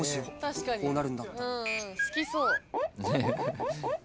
確かに。